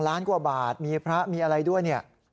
๒ล้านกว่าบาทมีอะไรด้วย